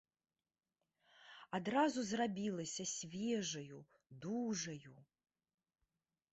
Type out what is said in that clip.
Адразу зрабілася свежаю, дужаю.